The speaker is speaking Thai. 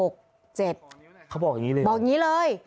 เขาบอกอย่างนี้เลยบอกอย่างนี้เลย